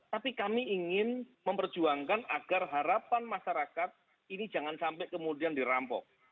tapi kami ingin memperjuangkan agar harapan masyarakat ini jangan sampai kemudian dirampok